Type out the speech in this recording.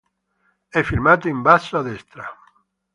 È firmato in basso a destra.